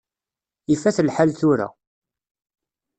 Ifat lḥal tura.